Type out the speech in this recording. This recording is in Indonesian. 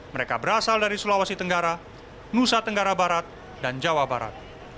mereka berasal dari sulawesi tenggara nusa tenggara barat dan jawa barat